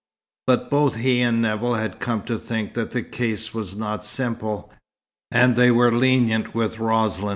But both he and Nevill had come to think that the case was not simple, and they were lenient with Roslin.